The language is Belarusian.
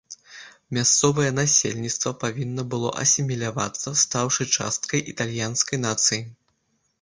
Мясцовае насельніцтва павінна было асімілявацца, стаўшы часткай італьянскай нацыі.